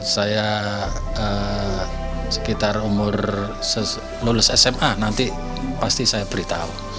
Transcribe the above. saya sekitar umur lulus sma nanti pasti saya beritahu